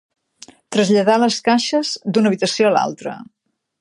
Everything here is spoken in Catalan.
Traslladar les caixes d'una habitació a l'altra.